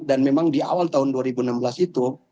dan memang di awal tahun dua ribu enam belas itu